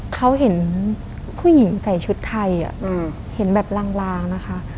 เขาเห็นผู้หญิงใส่ชุดไทยเห็นแบบลางนะคะ